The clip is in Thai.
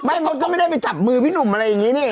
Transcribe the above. เขาก็ไม่ได้ไปจับมือพี่หนุ่มอะไรอย่างนี้นี่